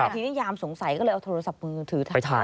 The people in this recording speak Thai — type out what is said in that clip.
ทีนี้ยามสงสัยก็เลยเอาโทรศัพท์มือถือถ่าย